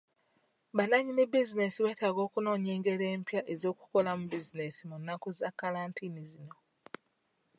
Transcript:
Bannannyini bizinensi beetaaga okunoonya engeri empya ez'okukolamu bizinensi mu nnaku za kalantiini zino.